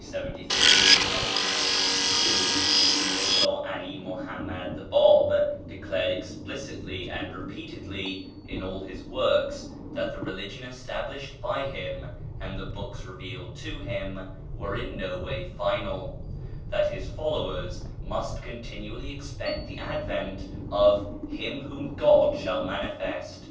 pp. 56, note 2; 63, top; and 373. [page xvii] (2) Mírzá 'Alí Muhammad the Báb declared explicitly and repeatedly in all his works that the religion established by him and the books revealed to him were in no way final; that his followers must continually expect the advent of "Him whom God shall manifest."